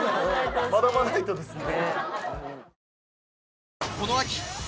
学ばないとですね。